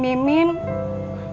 mimin kan perempuan